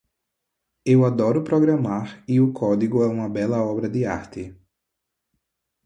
Eu adoro programar e o código é uma bela obra de arte.